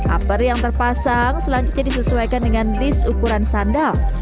upper yang terpasang selanjutnya disesuaikan dengan disk ukuran sandal